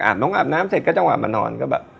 อาบน้องอาบน้ำเสร็จก็จะอาบมานอน